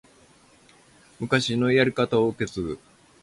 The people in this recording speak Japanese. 昔のやり方を受け継ぐ